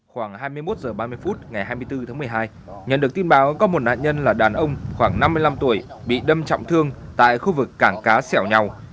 khoảng hai mươi một h ba mươi phút ngày hai mươi bốn tháng một mươi hai nhận được tin báo có một nạn nhân là đàn ông khoảng năm mươi năm tuổi bị đâm trọng thương tại khu vực cảng cá sẻo nhau